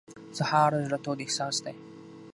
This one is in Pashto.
سهار د زړه تود احساس دی.